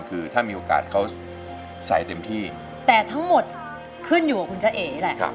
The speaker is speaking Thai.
คือถ้ามีโอกาสเขาใส่เต็มที่แต่ทั้งหมดขึ้นอยู่กับคุณจ้าเอ๋แหละ